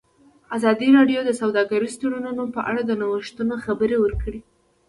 ازادي راډیو د سوداګریز تړونونه په اړه د نوښتونو خبر ورکړی.